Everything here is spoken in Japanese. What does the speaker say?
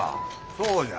そうじゃ。